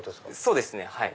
そうですねはい。